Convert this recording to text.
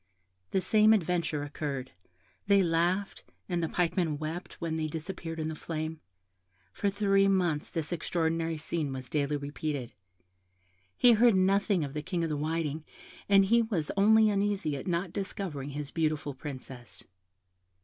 The same adventure occurred they laughed, and the man pike wept when they disappeared in the flame. For three months this extraordinary scene was daily repeated; he heard nothing of the King of the Whiting, and he was only uneasy at not discovering his beautiful Princess.